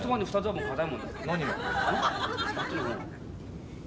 はい。